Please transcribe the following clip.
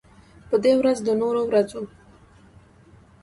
په دې ورځ د نورو ورځو